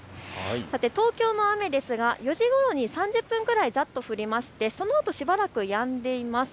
東京の雨ですが４時ごろに３０分くらい、ざっと降りましてそのあとしばらくやんでいます。